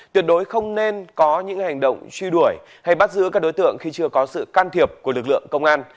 tuyệt đối không nên có những hành động truy đuổi hay bắt giữ các đối tượng khi chưa có sự can thiệp của lực lượng công an